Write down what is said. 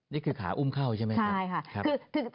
นี่คือขาอุ้มเข้าใช่ไหมครับ